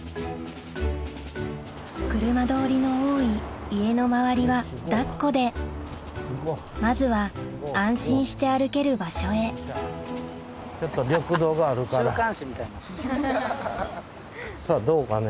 車通りの多い家の周りは抱っこでまずは安心して歩ける場所へさぁどうかね。